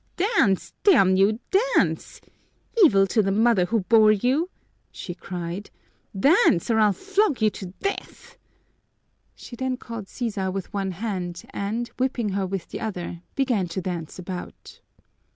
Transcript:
"Dance, damn you, dance! Evil to the mother who bore you!" she cried. "Dance, or I'll flog you to death!" She then caught Sisa with one hand and, whipping her with the other, began to dance about.